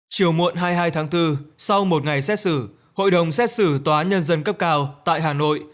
chiều muộn hai mươi hai tháng bốn sau một ngày xét xử hội đồng xét xử tòa nhân dân cấp cao tại hà nội